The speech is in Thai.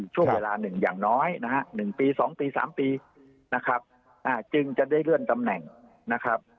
ช่วงเวลาหนึ่งอย่างน้อยนะฮะ๑ปี๒ปี๓ปีนะครับจึงจะได้เลื่อนตำแหน่งนะครับ